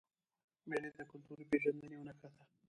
مېلې د کلتوري پیژندني یوه نخښه ده.